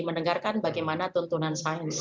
mendengarkan bagaimana tuntunan sains